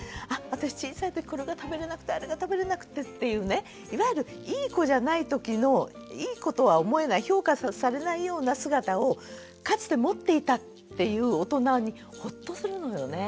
私小さいときこれが食べれなくてあれが食べれなくてっていうねいわゆるいい子じゃないときのいい子とは思えない評価されないような姿をかつて持っていたっていう大人にほっとするのよね。